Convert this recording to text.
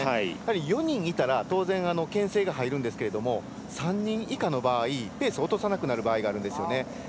４人いたら当然、けん制が入るんですけど３人以下の場合ペースを落とさない場合があるんですね。